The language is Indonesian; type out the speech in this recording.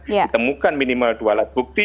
ditemukan minimal dua alat bukti